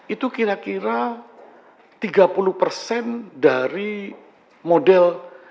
itu kira kira tiga puluh persen dari model